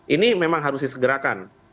ini memang harus disegerakan